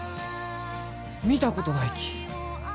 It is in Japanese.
見たことないき。